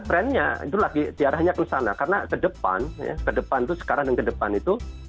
trendnya itu lagi diarahnya ke sana karena ke depan ke depan itu sekarang dan ke depan itu